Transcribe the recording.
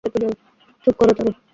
চুপ করো, চারু।